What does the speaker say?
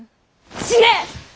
死ね！